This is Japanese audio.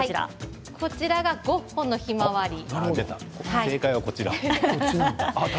こちらがゴッホのひまわり。